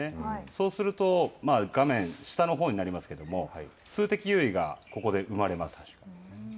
そうすると、画面下のほうになりますけども、数的優位がここで生まれます。